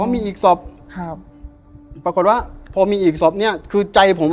มีอีกศพครับปรากฏว่าพอมีอีกศพเนี้ยคือใจผม